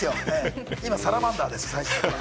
今、サラマンダーです。